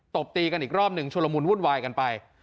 ตบตีกันอีกรอบหนึ่งชุลมุนวุ่นวายกันไป